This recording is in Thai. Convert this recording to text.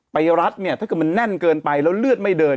รัดเนี่ยถ้าเกิดมันแน่นเกินไปแล้วเลือดไม่เดิน